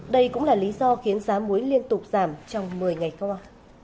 đây cũng là lý do khiến giá muối liên tục giảm trong một mươi ngày qua